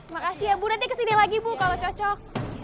makasih ya bu nanti kesini lagi bu kalau cocok